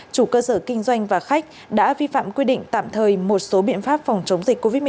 chủ cơ sở kinh doanh và khách đã vi phạm quy định tạm thời một số biện pháp phòng chống dịch covid một mươi chín